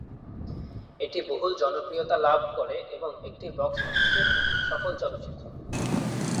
এটি বহুল জনপ্রিয়তা লাভ করে এবং একটি বক্স অফিসের সফল চলচ্চিত্র।